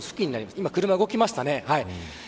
今、車が動きました。